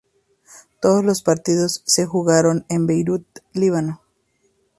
Todos los partidos se jugaron en Beirut, Líbano.